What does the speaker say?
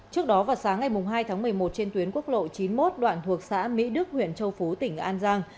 trước đó vào sáng ngày hai tháng một mươi một trên tuyến quốc lộ chín mươi một đoạn thuộc xã mỹ đức huyện châu phú tỉnh an giang